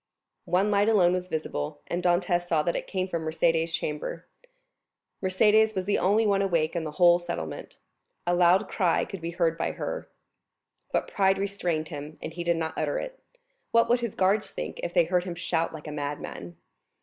One light alone was visible; and Dantès saw that it came from Mercédès' chamber. Mercédès was the only one awake in the whole settlement. A loud cry could be heard by her. But pride restrained him and he did not utter it. What would his guards think if they heard him shout like a madman?